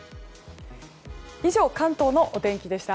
以上、関東のお天気でした。